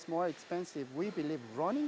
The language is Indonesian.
meskipun lebih mahal